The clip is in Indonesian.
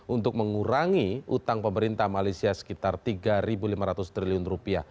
untuk mengurangi utang pemerintah malaysia sekitar rp tiga lima ratus triliun rupiah